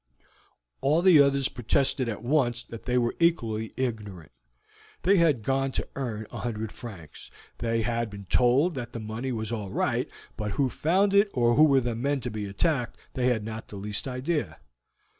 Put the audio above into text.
All the others protested at once that they were equally ignorant. They had gone to earn a hundred francs. They had been told that the money was all right, but who found it or who were the men to be attacked they had not the least idea.